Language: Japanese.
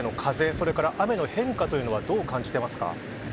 それから雨の変化というのはどう感じていますか。